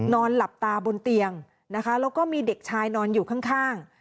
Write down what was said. นอนหลับตาบนเตียงนะคะแล้วก็มีเด็กชายนอนอยู่ข้าง